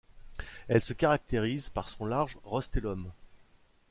Elle se caractérise par son large rostellum.